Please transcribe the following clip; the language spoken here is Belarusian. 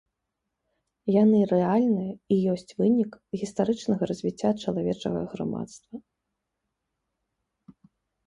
Яны рэальныя і ёсць вынік гістарычнага развіцця чалавечага грамадства.